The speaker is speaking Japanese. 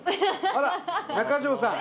あら中条さん。